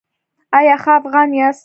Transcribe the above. ایا ښه افغان یاست؟